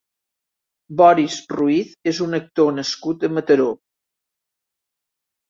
Boris Ruiz és un actor nascut a Mataró.